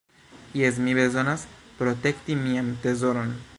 "Jes, mi bezonas protekti mian trezoron."